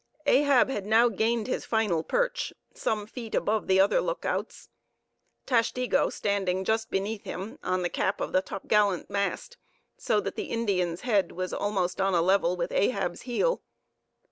Ahab had now gained his final perch, some feet above the other lookouts, Tashtego standing just beneath him on the cap of the topgallant mast, so that the Indian's head was almost on a level with Ahab's heel.